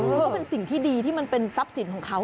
ก็เป็นสิ่งที่ดีที่มันเป็นทรัพย์สินของเขา